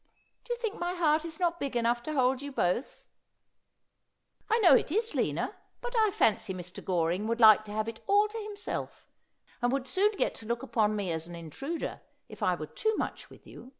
Do you think my heart is not biw enough to hold you both ?'' I know it is, Lina. But I fancy Mr. Goring would like to have it all to himself, and would soon get to look upon me as ao intruder, if I were too much witti you.